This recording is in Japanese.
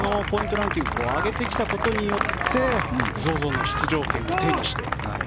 ランキングを上げてきたことによってＺＯＺＯの出場権を手にして。